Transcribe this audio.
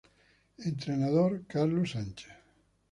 Entrenador: Carlos Sánchez